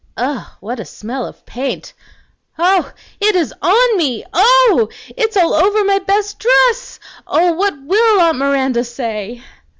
Oh! what a smell of paint! Oh! it is ON me! Oh! it's all over my best dress! Oh I what WILL aunt Miranda say!"